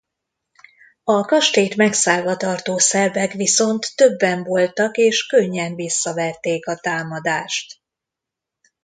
A kastélyt megszállva tartó szerbek viszont többen voltak és könnyen visszaverték a támadást.